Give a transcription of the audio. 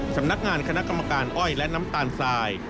สำนักงานคณะกรรมการอ้อยและน้ำตาลทราย